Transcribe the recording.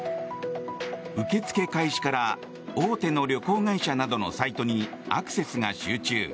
受け付け開始から大手の旅行会社などのサイトにアクセスが集中。